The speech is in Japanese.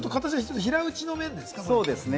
麺も平打ちの麺ですか？